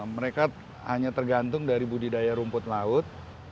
mereka hanya tergantung dari budidaya rumput laut